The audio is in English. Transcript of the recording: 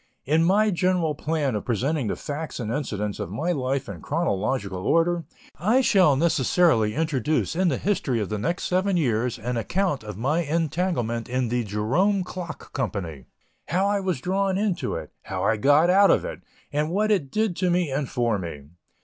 In my general plan of presenting the facts and incidents of my life in chronological order, I shall necessarily introduce in the history of the next seven years, an account of my entanglement in the "Jerome Clock Company," how I was drawn into it, how I got out of it, and what it did to me and for me.